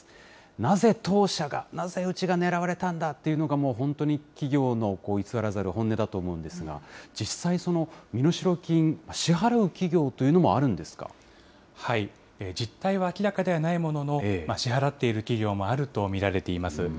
なぜ当社が、なぜうちが狙われたんだというのが、本当に企業の偽らざる本音だと思うんですが、実際、身代金、支払う企業というの実態は明らかではないものの、支払っている企業もあると見られています。